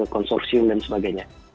konsorsium dan sebagainya